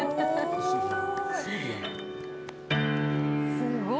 すごーい。